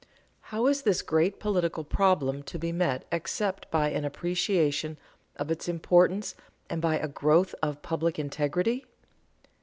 How is this great political problem to be met except by an appreciation of its importance and by a growth of public integrity?